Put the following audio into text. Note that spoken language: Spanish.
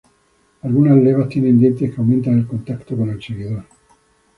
Algunas levas tienen dientes que aumentan el contacto con el seguidor.